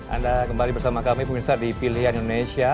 anda kembali bersama kami pemirsa di pilihan indonesia